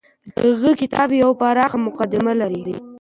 د هغه کتاب يوه پراخه مقدمه لري.